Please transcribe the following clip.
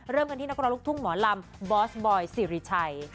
เริ่มกันที่นักร้องลูกทุ่งหมอลำบอสบอยสิริชัย